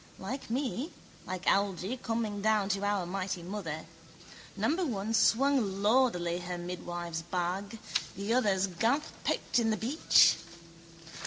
Like me, like Algy, coming down to our mighty mother. Number one swung lourdily her midwife's bag, the other's gamp poked in the beach.